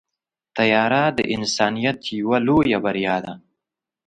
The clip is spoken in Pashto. طیاره د انسانیت یوه لویه بریا ده.